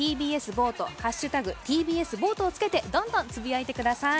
「＃ＴＢＳボート」をつけてどんどんつぶやいてください。